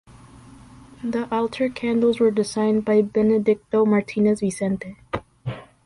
The altar candles were designed by Benedicto Martínez Vicente.